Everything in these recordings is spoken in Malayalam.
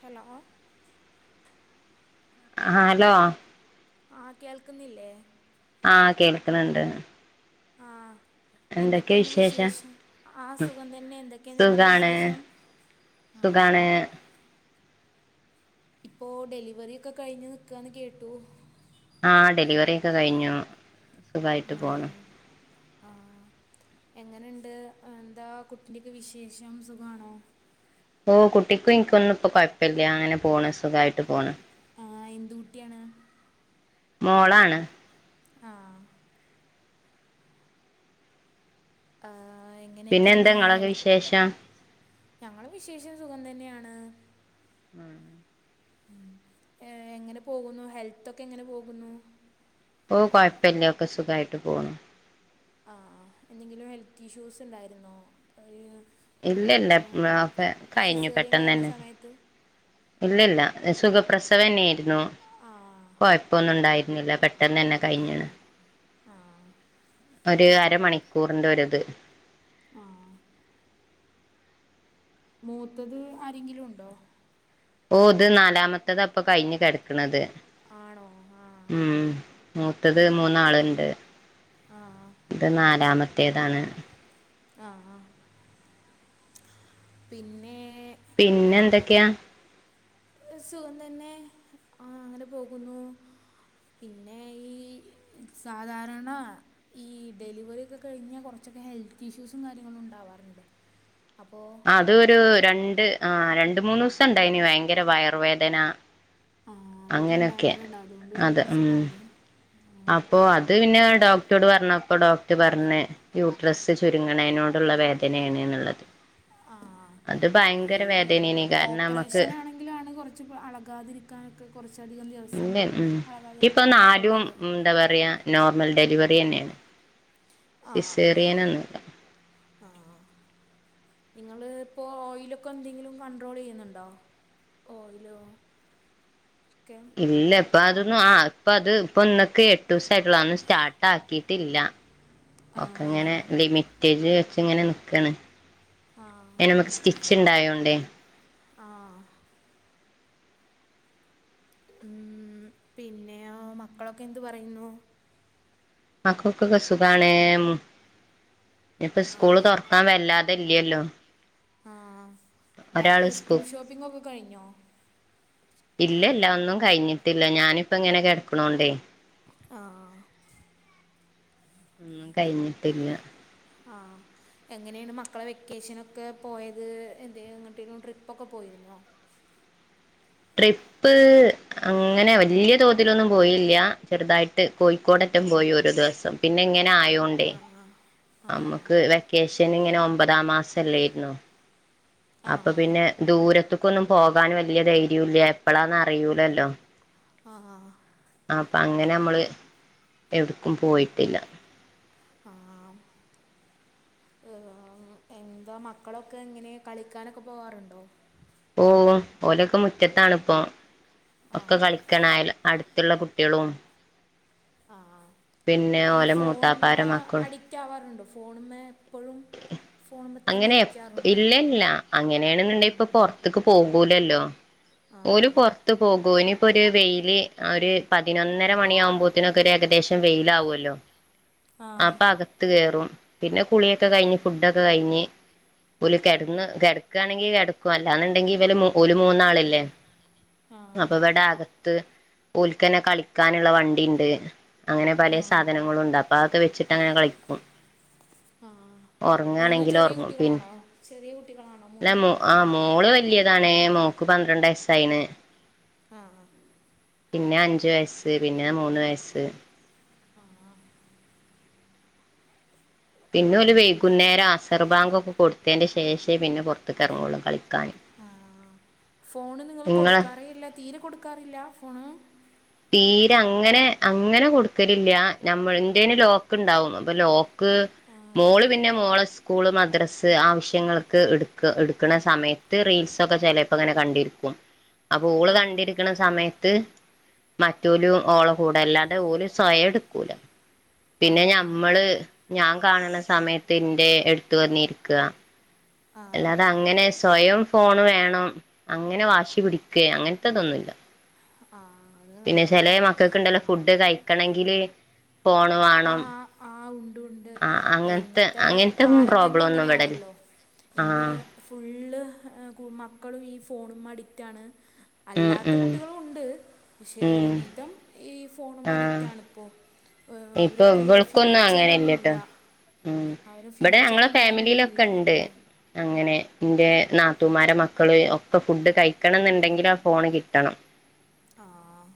ഹലോ. ആ, ഹലോ. ആ, കേൾക്കുന്നില്ലേ? ആ, കേൾക്കന്നുണ്ട്. ആ. എന്തൊക്കെയാണ് വിശേഷം? ആ, സുഖം തന്നെ, എന്തൊക്കെയാ നിങ്ങളെ സുഖാണ് വിശേഷം? ആ സുഖാണ്. ഇപ്പോ ഡെലിവറി ഒക്കെ കഴിഞ് നിക്കാന്ന് കേട്ടു. ആ, ഡെലിവറി ഒക്കെ കഴിഞ്ഞു. സുഖായിട്ട് ആ. പോണ് അ, എങ്ങനെണ്ട് എഹ് എന്താ കുട്ടിന്റെക്കെ വിശേഷം സുഖാണോ? ഓ, കുട്ടിക്കും ഇനിക്കൊന്നും ഇപ്പ കൊഴപ്പില്യ അങ്ങനെ പോണ് സുഖായിട്ട് പോണ്. ആ, എന്ത് കുട്ടിയാണ്? മോളാണ്. ആ. ആ, പിന്നെ എങ്ങനെക്കേണ് എന്താ നിങ്ങളൊക്കെ ഹെൽ- വിശേഷം ഞങ്ങളെ വിശേഷം സുഖം തന്നെയാണ്. ഉം [inaudible] എ, എങ്ങനെ പോകുന്നു. ഹെൽത്തൊക്കെ എങ്ങനെപോകുന്നു? ഓ, കുഴപ്പയില്ല ഒക്കെ സുഖായിട്ട് പോവുന്നു. ആ, ആ, എന്തെങ്കിലും ഹെൽത്ത് ഇഷ്യൂസ് ഉണ്ടായിരുന്നോ? [unintelligible] ഇല്ല, ഇ ല്ല, ഒക്കെ കഴിഞ്ഞു സിസേറിയൻ കഴിഞ്ഞ പെട്ടെന്നന്നേ. സമയത്ത് ഇല്ല, ഇല്ല. സുഖപ്രസവന്നേരുന്നു. ആ കൊഴപ്പൊന്നുണ്ടായിരുന്നില്ല പെ പെട്ടന്നന്നേ കഴിഞ്ഞീണ്. ആഹ് [inaudible] ഒര്, അരമണിക്കൂറിന്റെ ഒരിത്. ആ. മൂത്തത് ആരെങ്കിലുണ്ടോ? ഓ, ഇത് നാലാമത്തതാപ്പൊ കഴിഞ്ഞ് കെടക്ക്ണത്. ആണോ. ആ. ഉം. മൂത്തത് മൂന്നാള്ണ്ട്. ആ ഇത് നാലാമത്തേതാണ്. ആ, പിന്നേ പിന്നെ എന്തക്കെയാ? സുഖംതന്നെ. ആ, അങ്ങനെ പോകുന്നു. പിന്നെ ഈ സാധാരണ ഈ ഡെലിവറി ഒക്കെ കഴിഞ്ഞാ കുറച്ചൊക്കെ ഹെൽത്ത് ഇഷ്യൂസും കാര്യങ്ങളും ഉണ്ടാവാറ്ണ്ട് അപ്പോ അത് ഒരു രണ്ട് ആ, രണ്ട്മൂന്നൂസംണ്ടേനി ഭയങ്കര വയർവേദന. ആ, അതൊക്കെഇണ്ടാവാറുണ്ട് അതോണ്ട് അത് ഉം ചോദിച്ചതാണ്. അപ്പൊ അത് പിന്നെ ഡോക്റ്റോട് പറഞ്ഞപ്പോ ഡോക്റ്റ് പറഞ്ഞ് യൂട്രസ് ചുര്ങ്ങ്ണേനോടുള്ള വേദനേണ് ന്ന്ള്ളത്. ആ, ഈ വേദനേന് കാരണം നമുക്ക് ഓപ്പറേഷനാണെങ്കിലാണ് കൊറച്ച്പ്പൊ അളകാതിരി ക്കാനൊക്കെ കുറച്ചധികം ദിവസം ഇല്ല അളകാതിരിക്കാനൊക്കെള്ളത് എന്താപറിയാ നോർമൽ ഡെലിവറിയെന്നേണ് അഹ് അഹ് ആഹ് അഹ് അഹ് ആഹ് നിങ്ങള് പ്പോ ഓയിലൊക്കെ എന്തെങ്കിലും കണ്ട്രോളെയ്യുന്ന്ണ്ടോ ഓയിലോ ക്കെ ഇല്ല ഇപ്പഅതൊന്നും ആഹ് ഇപ്പഅത് ഇപ്പൊന്നക്ക് ട്ടൂസായിട്ടൊള്ളും അതൊന്നും സ്റ്റാട്ടാക്കിയിട്ടില്ല ആ ഒക്കെങ്ങനെ ലിമിറ്റേജ് വെച്ച് ഇങ്ങനെ നിക്കാണ് അയിനമ്മക്ക് സ്റ്റിച്ച്ണ്ടായോണ്ടേ ആഹ് ഉം പിന്നെയൊ മക്കളൊക്കെ എന്ത് പറയുന്നു മക്കക്കൊക്കെ സുഖാണ് നിപ്പം ആ സ്കൂള് തൊറക്കാൻ വല്ലാ ത്തെ ല്ല്യല്ലോ ആഹ് ബാക്ക്യൂറ്റു സ്കൂ സ്കൂൾ ഷോപ്പിംഗൊക്കെ കഴിഞ്ഞോ ഇല്ല ഇല്ല ഒന്നും കഴിഞ്ഞിട്ടില്ല ഞാനിപ്പങ്ങനെ കിടക്ക്ണോണ്ടേ ആഹ് ഒന്നും കഴിഞ്ഞിട്ടില്ല ആഹ് എങ്ങനേണ് മക്കളെ വെക്കേഷനൊക്കെ പോയത് എന്തേലും എങ്ങട്ടേലും ട്രിപ്പൊക്കെ പോയിരുന്നോ ട്രിപ്പ് അങ്ങനെ വല്ല്യ തോതിലൊന്നും പോയില്ല ചെറുതായിട്ട് കോഴിക്കോടറ്റം പോയി ഒരുദിവസം പിന്നെ ഇങ്ങനെ ആ ആയോണ്ടേ ആ അമ്മക്ക് വെക്കേഷനി ങ്ങനെ ഒമ്പതാം മാസംല്ലായിരുന്നോ ആ അപ്പൊ പിന്നെ. ദൂരത്ക്കൊന്നും പോകാൻ വലിയ ധൈര്യു ല്യ എപ്പളാന്ന് അറിയൂലല്ലോ. അഹ് അഹ് ആഹ്. ആപ്പൊ അങ്ങനെ അമ്മള് എവിട്ക്കും പോയിട്ടില്ല. അഹ് ആം ഏഹ് എന്താ മക്കളൊക്കെ എങ്ങനെ കളിക്കാനൊക്കെ പോകാറുണ്ടോ? ഓഹ് ഓലൊക്ക മുറ്റത്തണിപ്പോം ആ ഒക്കെ കളിക്കണായൽ അടു ത്തുള്ള കുട്ട്യാളും. ആഹ് ആഹ് ഈ ഓലെ മൂത്താപ്പാര ഫോണ്മ്മെ മക്കളും അഡിക്റ്റ് ആവാറുണ്ടോ ഫോണ്മ്മെ. പ്പഴും ഫോണുമ്മെ തെന്നെ ഇരിക്കാറുണ്ടോ. എല്ല അങ്ങനെണെന്നുണ്ടേ പ്പൊ ഉം. പൊറ്ത്ത്ക്ക് പോകൂലല്ലോ ആ ഓല് പൊർ ത്ത് പോകോ ഇനിയിപ്പോഒരു വെയില് ഒരു പതിനൊന്നര മണിയാകുമ്പോത്തിനൊക്കെ ഒരു ഏകദേശം വെയ്ല് ആവൊല്ലോ. ആ അപ്പ അകത്ത് കേറും പിന്നെ കുളിയൊക്കെ ആ കഴിഞ്ഞ് ഫുഡൊക്കെ കഴിഞ്ഞ്. ഒല് കെട്ന്ന് കെട്ക്കാണെങ്കിൽ കെട്ക്കും അല്ലാന്നുണ്ടെങ്കി ഇവല് മു ഓല് മൂന്നാള് ല്ലേ. ആ അപ്പ ബട അകത്ത് ഓൽക്കന്നെ കളിക്കാനുള്ള വണ്ടിണ്ട്. അങ്ങനെ പലെ ആ സാധനങ്ങളുണ്ട് അപ്പൊ അതൊക്കെ വെച്ചിട്ടങ്ങനെ കളിക്കും. ആഹ് മൂന്നും ഉറങ്ങാണെങ്കില് ചെറിയ ഉറങ്ങും കുട്ടികളാണോ ചെറിയ കുട്ടികളാണോ മൂന്നും. ആഹ് മോള് വല്യതാണ് മോക്ക് പന്ത്രണ്ട് വയസ്സായിന്. അഹ് ആഹ്. പിന്നെ അഞ്ച് വയസ്സ് പിന്നെ മൂന്ന് വയസ്സ്. ആഹ് ആഹ്. പിന്നെ ഓല് ഉം. വൈകുന്നേരം അസർബാങ്കൊക്കെ കൊടുത്തയ്ന്റെ ശേഷേ പിന്നെ പൊറ്ത്ത്ക്ക് എറ്ങ്ങൊള്ളൂ കളിക്കാൻ. ആഹ് ഫോണ് ഒന്നും നിങ്ങള് നിങ്ങളെ കൊടുക്കാറേ ഇല്ല തീരെ കൊടുക്കാറില്ല ഫോണ്. തീര അങ്ങനെ അങ്ങനെ കൊടുക്കലില്ലാ നമ്മള് ഇന്റേന് ലോക്ക് ഉണ്ടാവും അപ്പൊ ലോ ക്ക് ആ മോള് പിന്നെ മോളെ സ് കൂള് മദ്രസ്സ് ആവശ്യങ്ങൾക്ക് എടുക്ക എടുക്കണ സമയത്ത് റീൽസൊക്കെ ചെലേപ്പങ്ങനെ കണ്ടിരിക്കും. അപ്പൊ ഓള് ആ കണ്ടിരിക്കണ സമയത്ത്. മറ്റോലും ഓളെ കൂടെ അല്ലാണ്ടെ ഓല് സ്വയം എടുക്കൂല ആ പിന്നെ ഞമ്മള്. ഞാൻ കാണണ സമയത്ത് ഇന്റെ എടുത്ത് വന്നിരിക്ക. ആ ആ അല്ലാതെ അങ്ങനെ സ്വയം ഫോണ് വേണം അങ്ങനെ വാശി പിടിക്കെ അങ്ങനത്തതൊന്നുല്ല. ആഹ്. പിന്നെ ചെലേ മക്കക്ക്ണ്ടല്ലോ ഫുഡ് കഴിക്കണങ്കില്. ഫോണ് ആ മാണം ആ ഉണ്ട് ഉണ്ട് ആ ഏഹ് അങ്ങനത്തെ ഇന്നത്തെ അങ്ങനത്തെ കാലം തന്നെ പ്രോബ്ലം ഒന്നും ഇവിടെല്ല അങ്ങനെയാണല്ലോ ഇന്ന് ആഹ്. ഫുള്ള് ഏഹ് മക്കളും ഈ ഫോണുമ്മെ അഡിക്റ്റാണ്. ഉം അല്ലാത്ത ഉം കുട്ടികളൂണ്ട് പക്ഷെ ഉം ഒരു വിധം ഈ ഫോണുമ്മ ആഹ് അഡിക്റ്റാണിപ്പോ. ഇപ്പൊ ഇവൾക്കൊന്നും അങ്ങനെല്യട്ടോ. ഫ്യൂച്ചറൊന്നുമില്ല ഉം അവരെ ഇബടെ ഫ്യൂച്ചർ ഞങ്ങളെ എന്താണെന്നൊന്നുമില്ല ഫാമിലിയിലൊക്കെണ്ട്. അവർക്ക് അങ്ങനെ ന്റെ നാത്തൂമാരെ മക്കള് ഒക്കെ ഫുഡ് കഴിക്കണം ന്നുണ്ടെങ്കില് ആ ഫോണ് കിട്ടണം. ആഹ്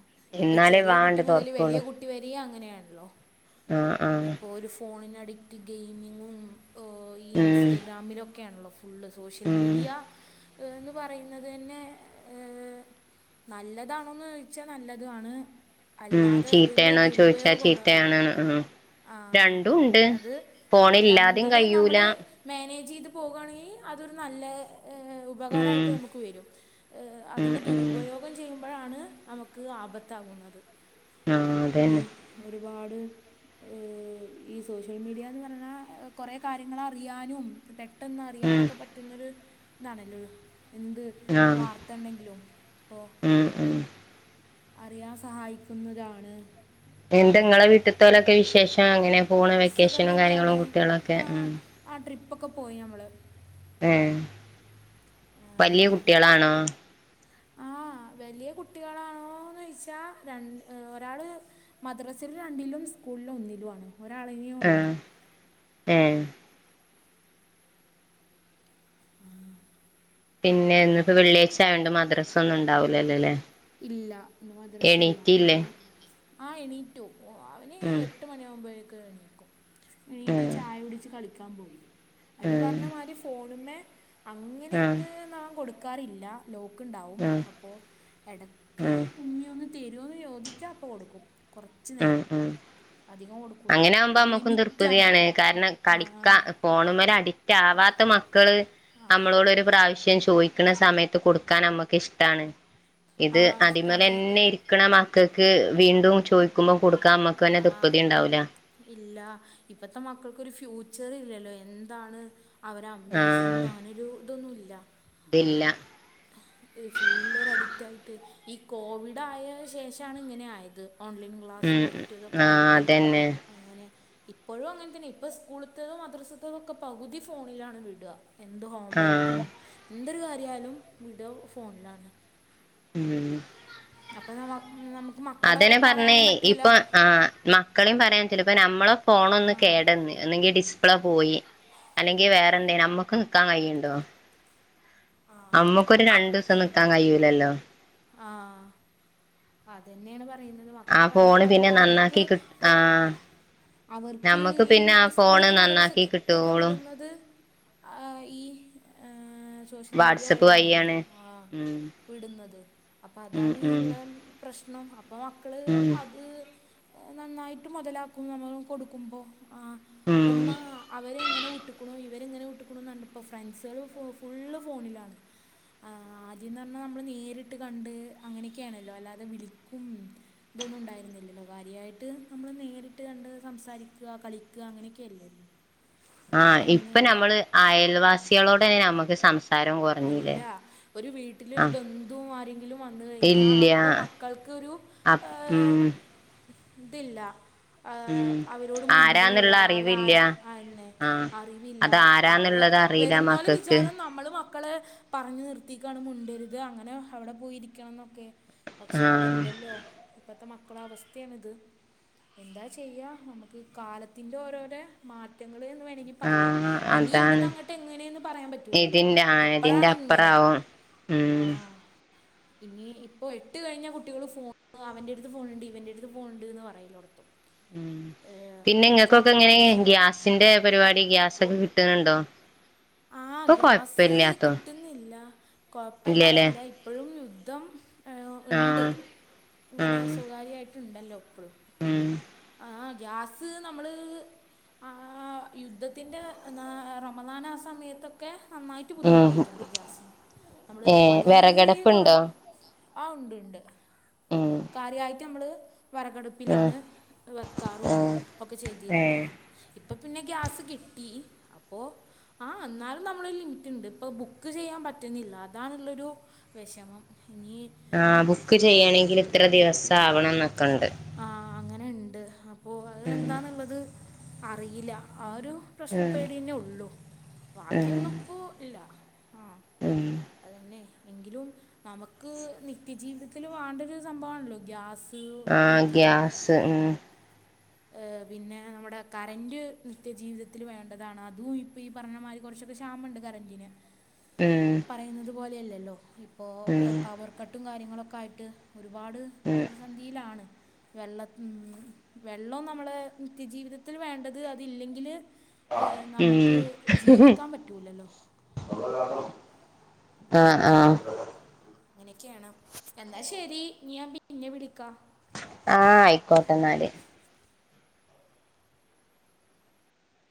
ഇപ്പൊ എന്നാലേ ചെറിയ കുട്ടി വാണ്ട് മുതൽ വലിയ തൊറക്കുള്ളൂ കുട്ടി വരേ അങ്ങനെയാണല്ലോ. ആഹ് ആഹ് ഇപ്പോ ഒരു ഫോണിന് അഡിക്റ്റ് ഗെയിമിങ്ങും ഓയ് ഉം ഇൻസ്റ്റഗ്രാമിലൊക്കെയാണല്ലോ ഫുള്ള് സോഷ്യൽ ഉം മീഡിയാ ഏന്ന് പറയുന്നത് തന്നെ ഏഹ് നല്ലതാണ്. ന്നോഴ്ച്ചാ നല്ലതു ആണ് ഉം അല്ലാതെ ഇതില് ചീത്തേണോ ചോദിച്ചാ ദുരുപയോഗം ഉണ്ടോ ആഹ് ചീത്തയാണ് ഉം ആഹ് രണ്ടും ഉണ്ട് അത് ഫോണില്ലാതിം രണ്ടിലും കഴിയൂല നമ്മള്. മാനേജ് ചെയ്ത് പോകാണെങ്കിൽ അതൊരു നല്ല ഏഹ് ഉം ഉപകാരായിട്ട് നമുക്ക് വരും ഏഹ് ഉം അതിന് ഉം ദുരുപയോഗം ചെയ്യും മ്പഴാണ് നമുക്ക് ആപത്താകുന്നത് ആഹ് അതന്നെ ഉം ഒരുപാട്. ഏയ്‌ ഈ സോഷ്യൽ മീഡിയാന്ന് പറഞ്ഞാൽ കൊറെ കാര്യങ്ങൾ അറിയാനും പെട്ടെന്ന് ഉം അറിയാനൊക്കെ പറ്റുന്നൊരു ഇതാണല്ലോ എന്ത് ആഹ് വാർ എത്ത്ണ്ടെങ്കിലും ഇപ്പോ ഉം ഉം അറിയാൻ സഹായിക്കുന്നതാണ് എന്താങ്ങളെ വീട്ടിൽത്തോലൊക്കെ വിശേഷം അങ്ങനെ പോണ് സുഖം വെക്കേഷനും തന്നെയാണ് കാര്യങ്ങളും കുട്ടികളും ഒക്കെ ആ ഉം ആ ട്രിപ്പൊക്കെ പോയി നമ്മള് ഏഹ് വലിയ കുട്ടികളാണോ? ആഹ് വലിയ കുട്ടികളാണോന്ന് ചോദിച്ചാൽ രണ്ട് ഒരാള് മദ്രസില് രണ്ടിലും സ്കൂളില് ഒന്നിലും ആണ് ഒരാളെന്നെയേ ഉള്ളു ആഹ് ഏഹ് ആഹ് പിന്നെ ഇന്നിപ്പം വെള്ളിയാഴ്ച ആയോണ്ട് മദ്രസ ഒന്നും ഉണ്ടാവൂലല്ലോ അല്ലേ ഇല്ല ഇന്ന് മദ്രസ ഇല്ല അപ്പൊ ആ എണീറ്റു ഓ അവന് ഉം എട്ട് മണിയാവുമ്പഴേക്ക്‌ എണീക്കും എണീറ്റ് ആഹ് ചായ കുടിച്ച് കളിക്കാൻ പോയി അയ്നി ആഹ് പറഞ്ഞ മാരി ഫോണ് മ്മേ അങ്ങനെ ആഹ് അങ്ങ് നാം കൊടുക്കാറില്ല ലോക്ക് ഉണ്ടാവും ആഹ് അപ്പോ എടക്ക് ആഹ് ഉമ്മിയൊന്ന് തരോന്ന് ചോദിച്ച അപ്പൊ കൊടുക്കും കൊറച്ചു ആഹ് നേരം ആഹ് അധികം കൊടു അങ്ങനെ ആകുമ്പോ അമ്മക്കും തൃപ്പ്തിയാണ് കാരണം ആ ആ കളിക്കാ ഫോണുമ്മില് അഡിക്റ്റ് ആവാത്ത മക്കള് ആ നമ്മളോട് ഒരു പ്രാവശ്യം ചോയിക്കണ സമയത്ത് കൊടുക്കാൻ അമ്മക്ക് ഇഷ്ട്ടാണ് ആ ഇത് ഇഷ്ടമാണ് അതിമലെന്നെ ഇരി ക്കണ മക്കക്ക് വീണ്ടും ചോയിക്കുമ്പോ കൊടുക്കാ അമ്മക്ക് തന്നെ തൃപ്പ്തി ഇണ്ടാവൂല്ലാ ഇല്ലാ ഇപ്പത്തെ മക്കൾക്കൊരു ഫ്യൂച്ചർ ഇല്ലല്ലോ എന്താണ് അവരെ അംബീഷൻ അങ്ങനൊരു ഇതൊന്നും ഇല്ലാ തില്ലാ ഫുള്ളൊര് അഡിക്റ്റായിട്ട് ഈ കോവിഡ് ആയ ശേഷാണ് ഇങ്ങനെ ആയത് ഓൺലൈൻ ക്ലാസ്സ് ഉം മറ്റെതൊക്കെ ആഹ് ആയിട്ട് അതന്നെ അങ്ങനെ ഇപ്പോഴും അങ്ങനെ തന്നെയാ ഇപ്പോൾ സ്കൂള്ത്തതും മദ്രസത്തതും ഒക്കെ പകുതി ഫോണിലാണ് വിടാ എന്ത് ഹോം വർക്കും ആഹ് എന്തൊരു കാര്യായാലും വിടാ ഫോണിലാണ് ഉം അപ്പ നമ നമ്മക്ക് മക്കളെ അതന്നെ പറഞ്ഞേ പറയാനും പറ്റൂലാ ഇപ്പൊ ആഹ് മക്കളേം പറയാൻ പറ്റൂല്ലാ ഇപ്പ നമ്മളെ ഫോൺ ഒന്ന് ആഹ് കേടെന്ന് ഒന്നെങ്കി ഡിസ് പ്ലേ പോയി അല്ലെങ്കി വേറെന്തേം നമ്മക്ക് നിക്കാൻ കയ്യ്ണ്ടോ ആഹ് നമ്മക്കൊരു രണ്ടൂസം നിക്കാൻ കയ്യൂലല്ലോ ആഹ് അതെന്നെയാണ് പറയുന്നത് ആ മക്കളെ പറഞ്ഞിട്ട് ഫോണ് പിന്നെ കാര്യെല്ലാ അവർക്ക് നന്നാക്കി കി ഓ ആ അവർക്ക് നമ്മക്ക് ഈ പിന്നെ മ ആ ഫോണ് സ്കൂള്ത്തേം നന്നാക്കി മദ്രസ്‌ത്തെയെക്കെ കിട്ടോളും വിടുന്നത് ആഹ് ഈ ഏഹ് സോഷ്യൽ മീഡിയ വാട്സപ്പ് വഴിയാണല്ലോ വഴിയാണ് ആഹ് ഉം വിടുന്നത് അപ്പം ഉം അതാണീ ഈ ഉം ഇള്ളെ പ്രശ്നം അപ്പ മക്കള് ഉം അത് ഏഹ് നന്നായിട്ട് മൊതലാക്കും നമ്മള് കൊടുക്കുമ്പോ ആഹ് ഉം ഉമ്മാ അവരെങ്ങനെ വിട്ട്ക്കണു ഇവരെങ്ങനെ വിട്ട്ക്കണുന്നാണ് ഇപ്പോ ഫ്രണ്ട്സേള് ഫു ഫുള്ള് ഫോണിലാണ് ആഹ് ആദ്യംന്ന് പറഞ്ഞാൽ നമ്മള് നേരിട്ട് കണ്ട് അങ്ങനെയൊക്കെയാണല്ലോ അല്ലാതെ വിളിക്കും ഇതൊന്നും ഇണ്ടായിരുന്നില്ലല്ലോ കാര്യായിട്ട് നമ്മള് നേരിട്ട് കണ്ട് സംസാരിക്കാ കളിക്കാ അങ്ങനെയൊക്കെ അല്ലായിരുന്നോ ആഹ് ഇപ്പം ഇപ്പൊ അങ്ങനെയല്ല നമ്മള് അയൽവാസികളോട് തന്നെ നമ്മക്ക് സംസാ ഇല്ലാ ഒരു ആ വീട്ടിലൊരു ബന്ധുവും ആരെങ്കിലും വന്ന് കഴിഞ്ഞാ ഇല്ല്യ അപ്പൊ മക്കൾക്ക് ഒരു അപ് ഉം ഇതില്ലാ ആഹ് ഉം അവരോട് ആരാന്നുള്ള മുണ്ടൂല്ലാ അവരെ അറിവില്ല ആഹ് അയന്നേ ആ അറിവില്ലാ അവരെ അതാരാന്നുള്ളത് അറിയില്ല വെരുന്നോലെ മക്കക്ക് വിചാരം നമ്മള് മ ക്കളെ പറഞ്ഞു നിർത്തിക്കാണ് മുണ്ടര്ത് അങ്ങനെ അവടെ പോയിരിക്കണന്നൊക്കെ പക്ഷെ ആ അതല്ലല്ലോ ഇപ്പത്തെ മക്കളെ അവസ്ഥയാണിത് എന്താ ചെയ്യാ നമ്മക്ക് കാലത്തിന്റെ ഓരോരെ മാറ്റങ്ങള് എന്ന് വേണെങ്കി ആ പറയാ ഇനി അതാണ് ഇവിടുന്ന് അങ്ങട്ട് എങ്ങനേന്ന് പറയാൻ പറ്റൂലല്ലോ ഇതിന്റെ ആ ഇതിന്റെ ഇപ്പഴാണിങ്ങനെ അപ്പറാവും ഉം ആഹ് ഇനി ഇപ്പോ എട്ട് കഴിഞ്ഞ കുട്ടികള് ഫോണ് അവന്റെടുത്ത് ഫോണ് ണ്ട് ഇവന്റെടുത്ത് ഫോണ് ണ്ട്ന്ന് പറയലൊടങ്ങി [unintelligible] ഉം പിന്നെ ഇങ്ങക്കൊക്കെ എങ്ങനെ വാങ്ങിച്ചാ ഗ്യാസിന്റെ പരിപാടി ഗ്യാസൊക്കെ കിട്ട്ന്ന്ണ്ടോ? ആഹ് ഗ്യാസ് കിട്ട്- ന്നില്ല ഇല്ലല്ലേ കൊഴപ്പല്ലാന്നല്ല ഇപ്പഴും യുദ്ധം. ഏഹ് ഇണ്ട് ആഹ് ഇങ്ങനെ ആഹ് സുകാര്യായിട്ടുണ്ടല്ലോ ഇപ്പളും ഉം ആഹ് ഗ്യാസ് ന്നമ്മള് ആ യുദ്ധത്തിൻ്റെ ന്നാ റമളാൻ ആ സമയത്ത് ഒ- ക്കെ നന്നായിട്ട് ഉം ബുദ്ധിമുട്ടിയിട്ട്ണ്ട് ഗ്യാസിന് നമ്മള് ഏഹ് വളരേ കൊറവ് വിറകടപ്പുണ്ടോ ആഹ് ഉണ്ട് ഉണ്ട് ഉം കാര്യായിട്ട് നമ്മള് ഉം വെറകടുപ്പിലാണ് വെക്കാറും ഉം ഒക്കെ ചെയ്തിര്ന്ന് ഏഹ് ഇപ്പൊ പിന്നെ ഗ്യാസ് കിട്ടി അപ്പൊ ആഹ് ഇന്നാലും നമ്മളൊരു ലിമിറ്റ്ണ്ട് ഇപ്പ ബുക്ക് ചെയ്യാൻ പറ്റുന്നില്ല അതാണ് ള്ളൊരൂ വെഷമം ഇനീ- ആഹ് ബുക്ക് ചെയ്യണെങ്കില് ഇത്ര ദിവസം ആവണം ന്നൊക്കെണ്ട് ആഹ് അങ്ങനെ ഇണ്ട് അപ്പൊ അത് ഉം എന്താന്ന്ള്ളത് അറിയില്ല അ ഒരു പ്രശ്നം ഇപ്പ ഉം ഇവിടെനെ ഒള്ളു ഉം ബാക്കിയൊന്നും ഇപ്പോ ഇല്ല ആഹ് ഉം അതെന്നെ എങ്കിലും ന്നമുക്ക് നിത്യ ജീവിതത്തില് വേണ്ടൊരു സംഭവാണല്ലോ ഗ്യാസ് സ് ആഹ് ഇത് ഗ്യാസ് ഉം പിന്നെ നമ്മടെ കറന്റ് നിത്യ ജീവിതത്തില് വേണ്ടതാണ് അതും ഇപ്പ ഈ പറഞ്ഞ മാതിരി- കൊറൊച്ചൊക്കെ ക്ഷാമണ്ട് കറന്റിന് ഉം പറയുന്നത് പോലെയല്ലല്ലോ ഇപ്പോ ഉം പവർ കട്ടും കാര്യങ്ങളൊക്കെ ആയിട്ട് ഒരുപാട് ഉം പ്രെതിന്ധിയിലാണ് വെള്ളത്തിന് ഉം വെള്ളം നമ്മള് നിത്യ ജീവിതത്തിൽ വേണ്ടത് അതില്ലെങ്കില് ഇ ന്നമ്ക്ക് ഉം ജീവിക്കാൻ പറ്റൂലല്ലോ ആഹ് ആഹ് അങ്ങനെയൊക്കെയാണ് എന്നാ ശരി ഇഞ് ഞാൻ പിന്നെ വിളിക്കാം. ആഹ് ആയിക്കോട്ടെ എന്നാല്